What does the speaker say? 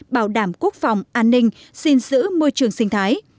bảo đảm quốc phòng an ninh xin giữ môi trường sinh thái